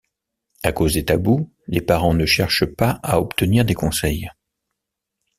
À cause des tabous, les parents ne cherchent pas à obtenir des conseils.